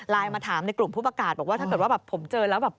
มาถามในกลุ่มผู้ประกาศบอกว่าถ้าเกิดว่าแบบผมเจอแล้วแบบ